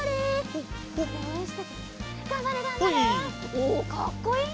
おっかっこいいね！